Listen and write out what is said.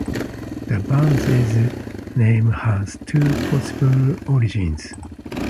The band's name has two possible origins.